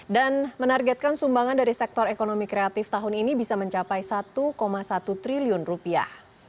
dan menargetkan sumbangan dari sektor ekonomi kreatif tahun ini bisa mencapai satu satu triliun rupiah